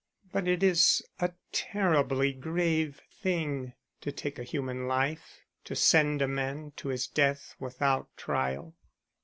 "But it is a terribly grave thing to take human life to send a man to his death without trial."